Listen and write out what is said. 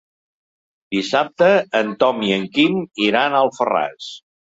Dissabte en Tom i en Quim iran a Alfarràs.